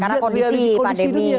karena kondisi pandemi